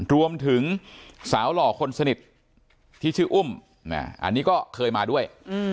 รวมถึงสาวหล่อคนสนิทที่ชื่ออุ้มอันนี้ก็เคยมาด้วย